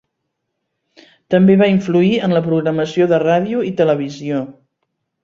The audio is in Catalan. També va influir en la programació de ràdio i televisió.